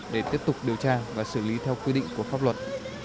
để tiếp tục điều tra và xử lý theo quy định của pháp luật